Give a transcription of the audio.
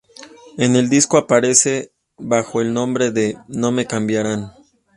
En el disco aparece bajo el nombre de "No me cambiarán".